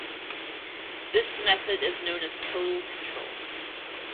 This method is known as "Total Control".